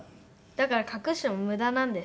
だから隠しても無駄なんですよ。